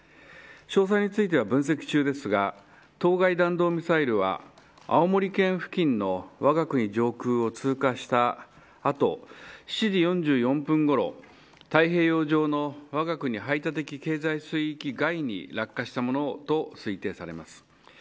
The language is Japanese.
詳細については分析中ですが当該弾道ミサイルは青森県付近のわが国上空を通過した後７時４４分ごろ太平洋上のわが国排他的経済水域外に落下したものと推定されます。